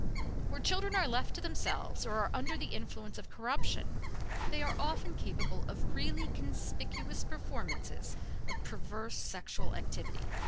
Where children are left to themselves or are under the influence of corruption, they often are capable of really conspicuous performances of perverse sexual activity.